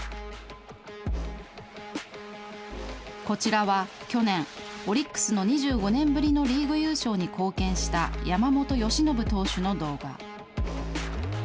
こちらは去年、オリックスの２５年ぶりのリーグ優勝に貢献した山本由伸投手の動画。